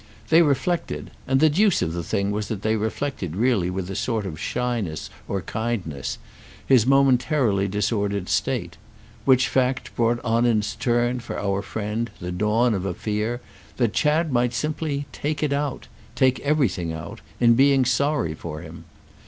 They reflected—and the deuce of the thing was that they reflected really with a sort of shyness of kindness—his momentarily disordered state; which fact brought on in its turn for our friend the dawn of a fear that Chad might simply "take it out"—take everything out—in being sorry for him.